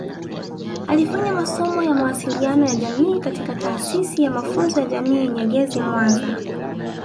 Alifanya masomo ya mawasiliano ya jamii katika Taasisi ya mafunzo ya jamii Nyegezi mwanza